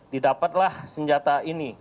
didapatlah senjata ini